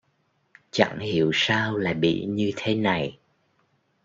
Chẳng hiểu sao lại bị như thế này